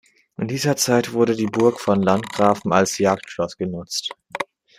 In dieser Zeit wurde die Burg von den Landgrafen als Jagdschloss genutzt.